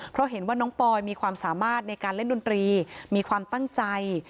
เพราะเห็นว่าน้องปอยมีความสามารถในการเล่นดนตรีมีความตั้งใจ